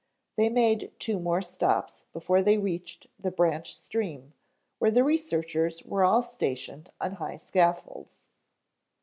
They made two more stops before they reached the branch stream, where the researchers were all stationed on high scaffolds.